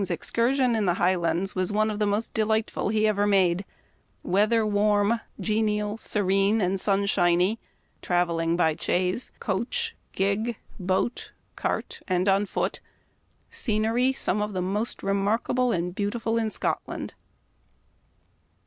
His excursion in the Highlands was one of the most delightful he ever made : weather warm, genial, serene, and sunshiny ; traveling by chaise, coach, gig, boat, cart, and on foot ; scenery some of the most remarkable and beautiful in Scotland.